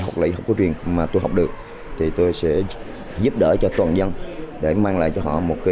hoặc là y học của truyền mà tôi học được tôi sẽ giúp đỡ cho toàn dân để mang lại cho họ một sức khỏe